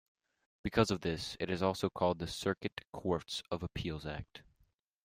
Because of this, it is also called the Circuit Courts of Appeals Act.